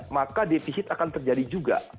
maka defisit akan terjadi juga